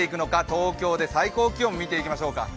東京で最高気温、見ていきましょうか。